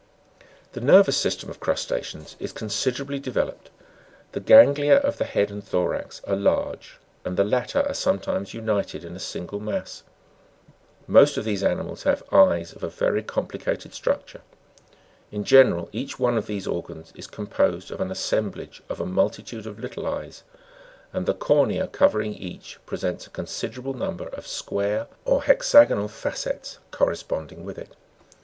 5. The nervous system of crusta'ceans is considerably develop ed : the ganglia of the head and thorax are large, and the latter are sometimes united in a single mass. Most of these animals have eyes of a very complicated structure. In general each one of these organs is composed of an assemblage of a multitude of little eyes, and the cornea covering each presents a considerable number of square or hexagonal facets corresponding with it.